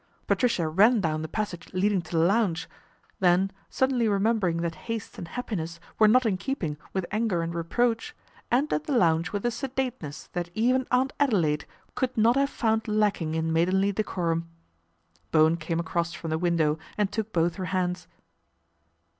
Patricia ran down the passage leading to the lounge, then, suddenly remembering that haste and happiness were not in keeping with anger and reproach, entered the lounge with a sedateness that even Aunt Adelaide could not have found lacking in maidenly decorum. Bowen came across from the window and took both her hands.